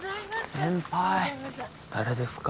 先輩誰ですか？